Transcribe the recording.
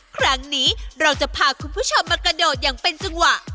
ครั้งนี้เราจะพาคุณผู้ชมมากระโดดอย่างเป็นจังหวะ